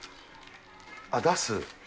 あっ、出す。